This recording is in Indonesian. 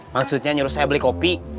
maksudnya nyuruh saya beli kopi